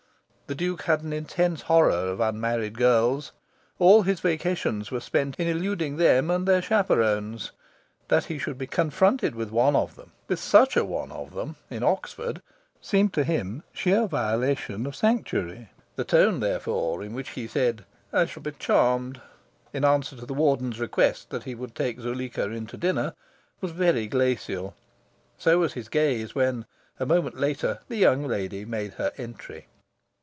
The Duke had an intense horror of unmarried girls. All his vacations were spent in eluding them and their chaperons. That he should be confronted with one of them with such an one of them! in Oxford, seemed to him sheer violation of sanctuary. The tone, therefore, in which he said "I shall be charmed," in answer to the Warden's request that he would take Zuleika into dinner, was very glacial. So was his gaze when, a moment later, the young lady made her entry.